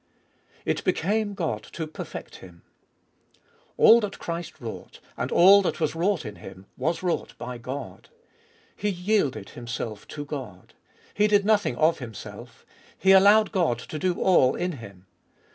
2. "It became God to perfect Him." All that Christ wrought, and all that was wrought in Him, was wrought by God. He yielded Himself to God: He did nothing of Himself: He allowed God to do all in Him.